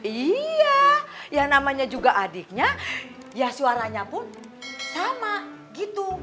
iya yang namanya juga adiknya ya suaranya pun sama gitu